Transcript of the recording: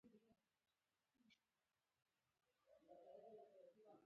نن لومړۍ نیټه ده